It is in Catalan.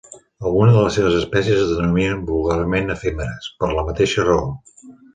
Algunes de les seves espècies es denominen vulgarment efímeres, per la mateixa raó.